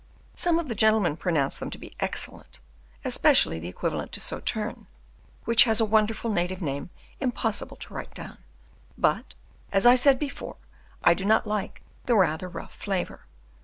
Some of the gentlemen pronounced them to be excellent, especially the equivalent to Sauterne, which has a wonderful native name impossible to write down; but, as I said before, I do not like the rather rough flavour.